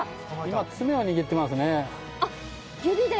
今、爪を握っていますね。